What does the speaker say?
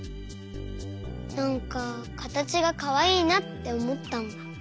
なんかかたちがかわいいなっておもったんだ。